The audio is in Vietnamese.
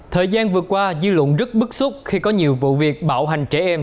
thời gian vừa qua dư luận rất bức xúc khi có nhiều vụ việc bạo hành trẻ em